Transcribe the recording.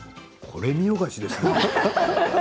これ見よがしですね。